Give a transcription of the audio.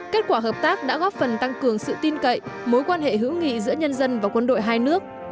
kết quả hợp tác đã góp phần tăng cường sự tin cậy mối quan hệ hữu nghị giữa nhân dân và quân đội hai nước